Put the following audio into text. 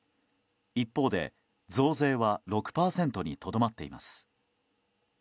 一方で増税は６％にとどまっています。